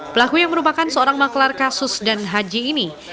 pelaku yang merupakan seorang maklar kasus dan haji ini